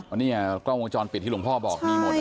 อันนี้กล้องวงจรปิดที่หลวงพ่อบอกมีหมด